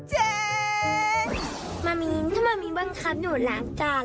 มัมมี่ถ้ามัมมี่บังคับหนูล้างจาน